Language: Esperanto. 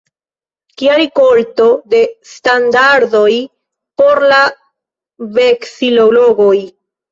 Kia rikolto de standardoj por la veksilologoj!